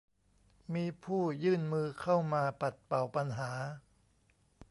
มีผู้ยื่นมือเข้ามาปัดเป่าปัญหา